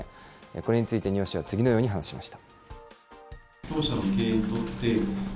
これについて丹羽氏は次のように話しました。